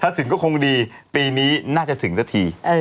ถ้าถึงก็คงดีปีนี้น่าจะถึงสักที